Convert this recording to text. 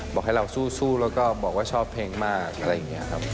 บอกให้เราสู้แล้วก็บอกว่าชอบเพลงมากอะไรอย่างนี้ครับ